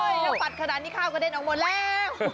ถ้าปัดขนาดนี้ข้าวกระเด็นออกหมดแล้ว